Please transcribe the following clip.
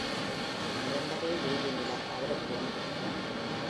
இரண்டரை வேலி நிலம் அவருக்கு உண்டு.